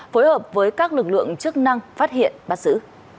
phối hợp với các lực lượng chức năng phát hiện bắt xử